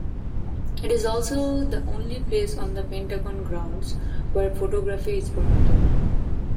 It is also the only place on the Pentagon grounds where photography is permitted.